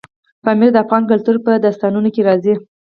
پامیر د افغان کلتور په داستانونو کې راځي.